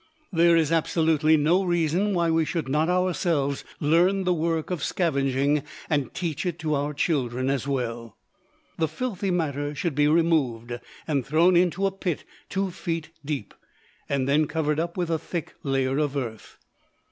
There is absolutely no reason why we should not ourselves learn the work of scavenging and teach it to our children as well. The filthy matter should be removed, and thrown into a pit two feet deep, and then covered up with a thick layer of earth.